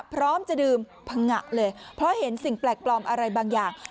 พร้อมจะดื่มพังงะเลยเพราะเห็นสิ่งแปลกปลอมอะไรบางอย่าง